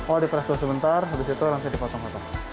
oh dipresuk sebentar habis itu langsung dipotong potong